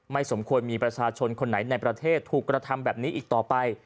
สมควรมีประชาชนคนไหนในประเทศถูกกระทำแบบนี้อีกต่อไป